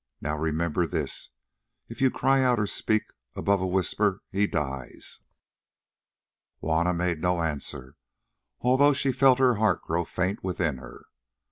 Now remember this, if you cry out or speak above a whisper—he dies." Juanna made no answer, although she felt her heart grow faint within her.